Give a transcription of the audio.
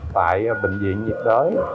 tại bệnh viện nhiệt đới